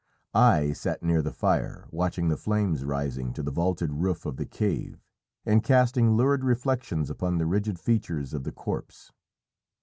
I sat near the fire, watching the flames rising to the vaulted roof of the cave, and casting lurid reflections upon the rigid features of the corpse.